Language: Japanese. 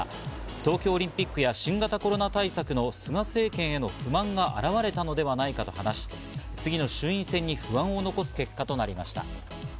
東京オリンピックや新型コロナ対策の菅政権への不満が現れたのではないかと話し次の衆院選に不安を残す結果となりました。